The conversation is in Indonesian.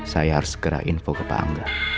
saya harus segera info ke pak angga